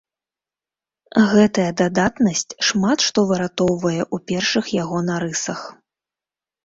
Гэтая дадатнасць шмат што выратоўвае ў першых яго нарысах.